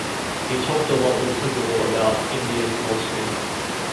He talked a lot with Tagore about Indian philosophy.